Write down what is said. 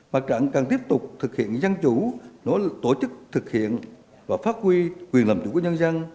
mặt trạng càng tiếp tục thực hiện dân chủ tổ chức thực hiện và phát huy quyền làm chủ của nhân dân